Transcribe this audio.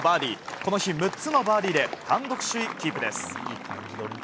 この日６つのバーディーで単独首位キープです。